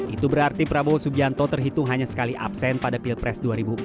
itu berarti prabowo subianto terhitung hanya sekali absen pada pilpres dua ribu empat belas